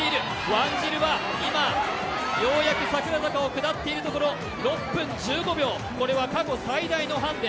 ワンジルはようやく桜坂を下っているところ、６分１５秒、これは過去最大のハンデ。